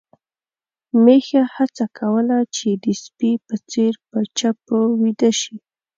میښه هڅه کوله چې د سپي په څېر په چپو ويده شي.